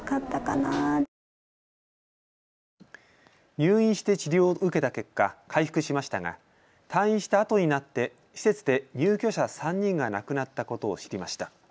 入院して治療を受けた結果、回復しましたが退院したあとになって施設で入居者３人が亡くなったことを知りました。